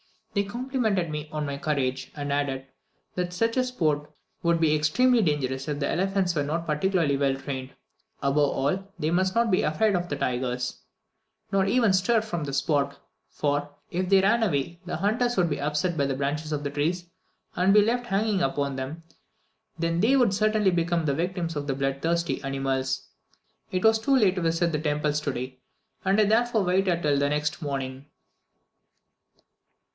They complimented me on my courage, and added, that such sport would be extremely dangerous if the elephants were not particularly well trained; above all, they must not be afraid of the tigers, nor even stir from the spot; for, if they ran away, the hunters would be upset by the branches of the trees, or be left hanging upon them, when they would certainly become the victims of the bloodthirsty animals. It was too late to visit the temples today, and I therefore waited till the next morning.